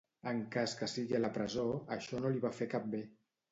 En cas que sigui a la presó, això no li va fer cap bé.